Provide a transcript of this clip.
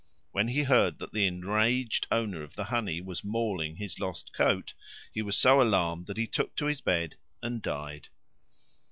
When he heard that the enraged owner of the honey was mauling his lost coat, he was so alarmed that he took to his bed and died.